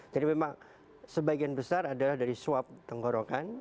jadi memang sebagian besar adalah dari swab tenggorokan